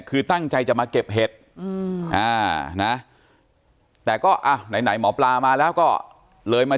คือตั้งใจจะมาเก็บเห็ดนะแต่ก็อ่ะไหนหมอปลามาแล้วก็เลยมา